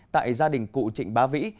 tại gia đình cụ trịnh bá vĩ